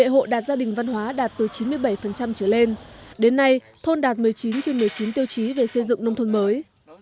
bảy hộ đạt gia đình văn hóa đạt từ chín mươi bảy trở lên đến nay thôn đạt một mươi chín trên một mươi chín tiêu chí về xây dựng nông thôn mới